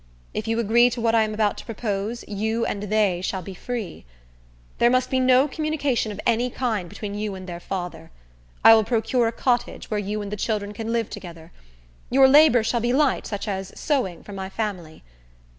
If you agree to what I am about to propose, you and they shall be free. There must be no communication of any kind between you and their father. I will procure a cottage, where you and the children can live together. Your labor shall be light, such as sewing for my family.